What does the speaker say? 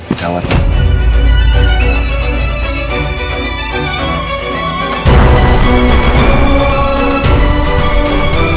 yaudah makasih ki